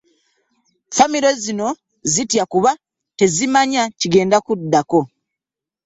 Ffamire zino zitya kuba tezimanya kigenda kuddako